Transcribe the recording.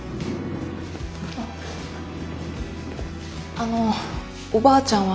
あのおばあちゃんは？